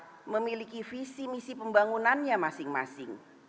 bupati wali kota memiliki visi misi pembangunannya masing masing